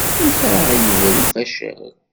Amek ara ɣ-yebru facal.